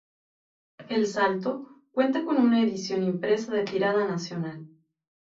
El Salto cuenta con una edición impresa de tirada nacional.